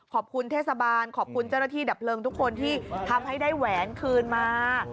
ขอบคุณเทศบาลขอบคุณเจ้าหน้าที่ดับเพลิงทุกคนที่ทำให้ได้แหวนคืนมา